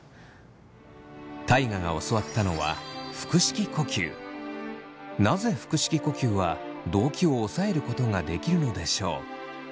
大我が教わったのはなぜ腹式呼吸は動悸を抑えることができるのでしょう。